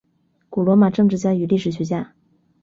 古罗马政治家与历史学家。